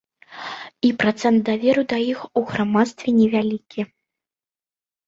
І працэнт даверу да іх у грамадстве невялікі.